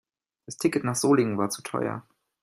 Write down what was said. Das Ticket nach Solingen war zu teuer